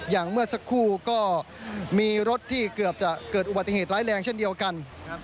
เมื่อสักครู่ก็มีรถที่เกือบจะเกิดอุบัติเหตุร้ายแรงเช่นเดียวกัน